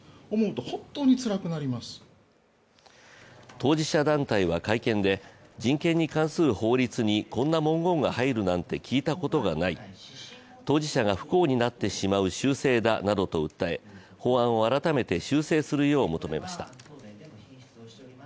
当事者団体は会見で、人権に関する法律にこんな文言がはいるなんて聞いたことがない、当事者が不幸になってしまう修正だなどと訴え法案を改めて修正するよう求めました。